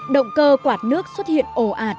động cơ quạt nước xuất hiện ồ ạt